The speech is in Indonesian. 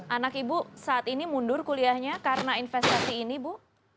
anak ibu saat ini mundur kuliahnya karena investasi ini bu